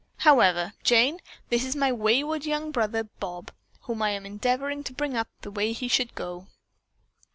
However, Jane, this is my wayward young brother Bob, whom I am endeavoring to bring up the way that he should go."